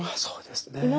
そうですね。